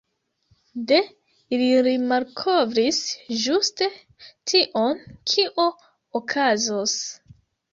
De ili li malkovris ĝuste tion kio okazos.